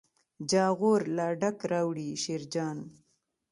جاغور لا ډک راوړي شیرجان.